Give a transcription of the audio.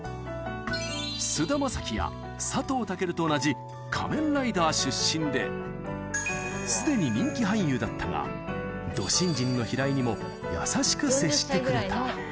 菅田将暉や佐藤健と同じ、仮面ライダー出身で、すでに人気俳優だったが、ど新人の平井にも優しく接してくれた。